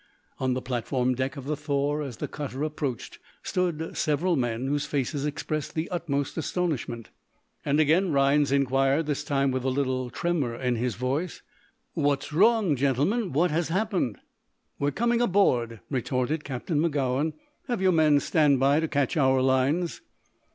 On the platform deck of the "Thor," as the cutter approached, stood several men whose faces expressed the utmost astonishment. And again Rhinds inquired, this time with a little tremor in his voice: "What's wrong gentlemen? What has happened?" "We're coming aboard," retorted Captain Magowan. "Have your men stand by to catch our lines."